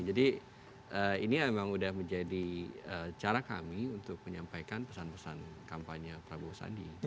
jadi ini memang sudah menjadi cara kami untuk menyampaikan pesan pesan kampanye prabowo sandi